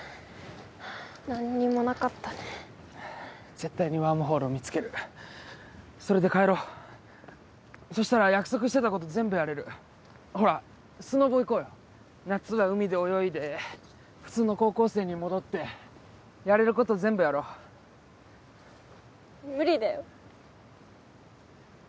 絶対にワームホールを見つけるそれで帰ろうそしたら約束してたこと全部やれるほらスノボ行こうよ夏は海で泳いで普通の高校生に戻ってやれること全部やろう無理だよ